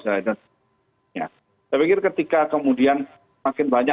saya pikir ketika kemudian makin banyak